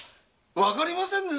わかりませんぜ。